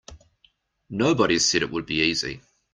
Nobody said it would be easy.